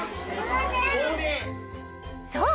そう！